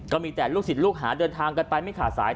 ก็มีแต่ลูกศิษย์ลูกหาเดินทางกันไปไม่ขาดสาย